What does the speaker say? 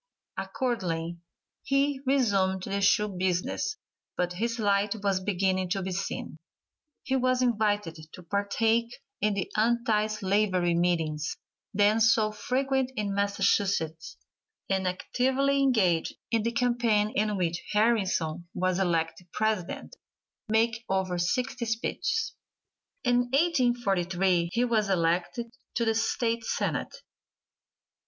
Accordingly he resumed the shoe business, but his light was beginning to be seen. He was invited to partake in the anti slavery meetings, then so frequent in Massachusetts, and actively engaged in the campaign in which Harrison was elected President, making over sixty speeches. In 1843 he was elected to the State Senate.